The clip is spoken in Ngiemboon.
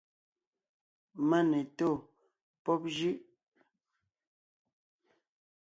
Mane tó pɔ́b jʉ́ʼ.